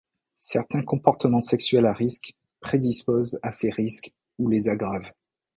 Certains comportements sexuels à risques prédisposent à ces risques ou les aggravent.